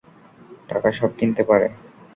টাকা সব কিনতে পারে।